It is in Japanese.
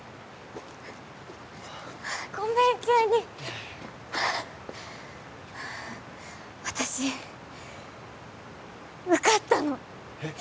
ごめん急に私受かったのえっ？